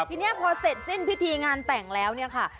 ทีนี้พอเสร็จสิ้นพิธีงานแต่งแล้วเนี่ยค่ะ